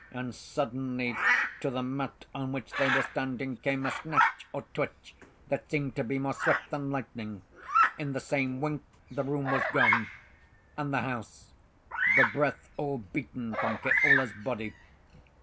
And suddenly, to the mat on which they were standing came a snatch or twitch, that seemed to be more swift than lightning. In the same wink the room was gone and the house, the breath all beaten from Keola's body.